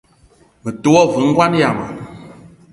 Me te wa ve ngoan yama.